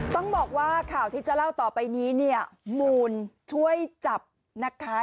ต้องบอกว่าข่าวที่จะเล่าต่อไปนี้เนี่ยมูลช่วยจับนะคะ